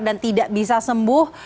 dan tidak bisa sembuh